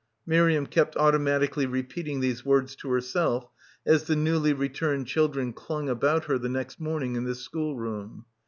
Miriam kept automatically repeating these words to herself as the newly returned children clung about her the next morning in the school room.